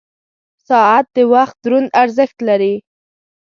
• ساعت د وخت دروند ارزښت لري.